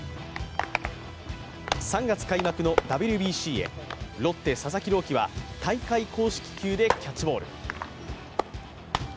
３月開幕のＷＢＣへロッテ・佐々木朗希は大会公式球でキャッチボール。